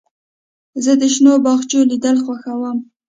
زه د شنو باغچو لیدل خوښوم.